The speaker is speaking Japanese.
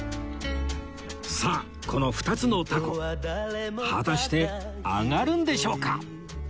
さあこの２つの凧果たして揚がるんでしょうか？